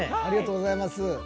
ありがとうございます。